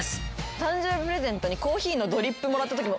誕生日プレゼントにコーヒーのドリップもらったときも。